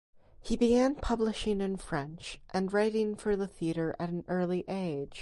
He began publishing in French and writing for the theater at an early age.